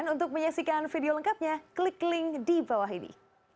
untuk menyaksikan video lengkapnya klik link di bawah ini